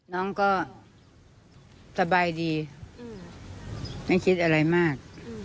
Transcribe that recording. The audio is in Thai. น้องก็สบายดีไม่คิดอะไรมาก